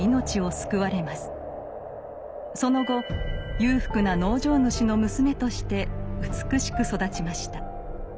その後裕福な農場主の娘として美しく育ちました。